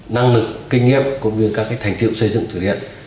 năng lực kinh nghiệm cũng như các thành tiệu xây dựng thủy điện